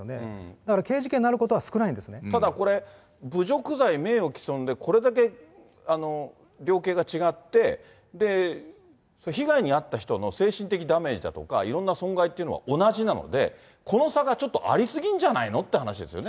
だから刑事事件になることは少なただこれ、侮辱罪、名誉毀損でこれだけ量刑が違って、被害に遭った人の精神的ダメージだとか、いろんな損害っていうのは同じなので、この差がちょっとあり過ぎんじゃないのっていう話ですよね。